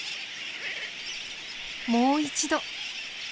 もう一度。